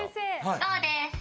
そうです。